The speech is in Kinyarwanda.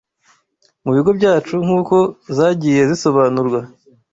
mu bigo byacu nk’uko zagiye zisobanurwa